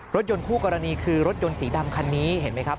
รถยนต์คู่กรณีคือรถยนต์สีดำคันนี้เห็นไหมครับ